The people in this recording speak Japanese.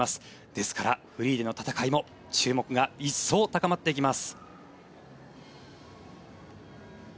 ですから、フリーでの戦いも注目が一層高まっていきます。